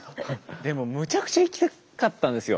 でもむちゃくちゃ行きたかったんですよ